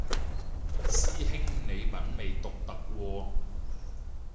師兄你品味獨特喎